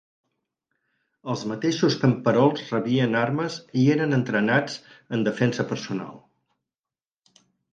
Els mateixos camperols rebien armes i eren entrenats en defensa personal.